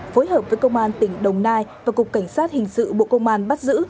phối hợp với công an tỉnh đồng nai và cục cảnh sát hình sự bộ công an bắt giữ